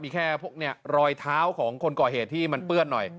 มีแค่พวกรอยเท้าของคนก่อเหตุที่มันเปื้อนหน่อย